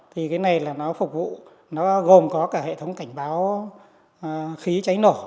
thì cái này là nó phục vụ nó gồm có cả hệ thống cảnh báo khí cháy nổ